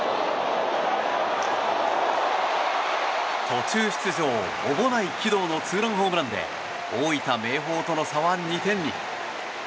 途中出場、小保内貴堂のツーランホームランで大分・明豊との差は２点に。